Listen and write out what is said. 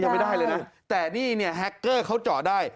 ไม่ได้เลยนะแต่นี่เนี่ยแฮคเกอร์เขาเจาะได้